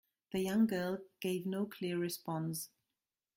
The young girl gave no clear response.